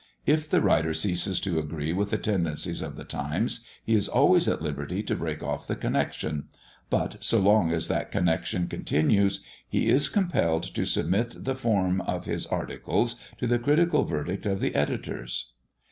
If the writer ceases to agree with the tendencies of the Times, he is always at liberty to break off the connection; but so long as that connection continues, he is compelled to submit the form of his articles to the critical verdict of the editors.